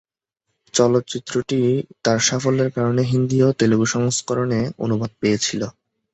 চলচ্চিত্রটি তার সাফল্যের কারণে হিন্দি এবং তেলুগু সংস্করণে অনুবাদ পেয়েছিলো।